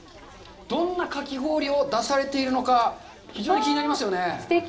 どんなかき氷を出されているのか、非常に気になりますよね。